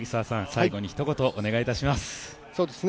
最後にひと言、お願いします。